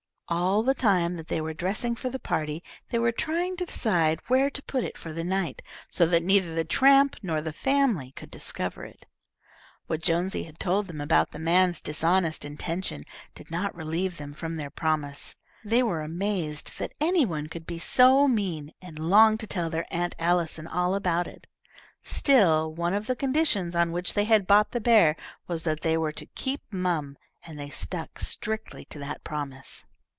All the time that they were dressing for the party, they were trying to decide where to put it for the night, so that neither the tramp nor the family could discover it. What Jonesy had told them about the man's dishonest intention did not relieve them from their promise. They were amazed that any one could be so mean, and longed to tell their Aunt Allison all about it; still, one of the conditions on which they had bought the bear was that they were to "keep mum," and they stuck strictly to that promise.